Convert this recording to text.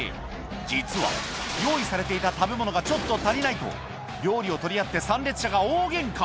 実は、用意されていた食べ物がちょっと足りないと、料理を取り合って、参列者が大げんか。